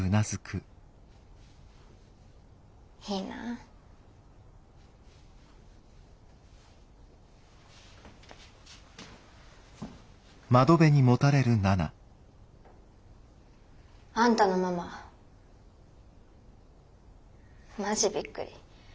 いいなあ。あんたのマママジビックリ。